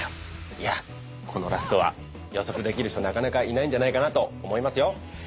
いやこのラストは予測できる人なかなかいないんじゃないかなと思いますよ。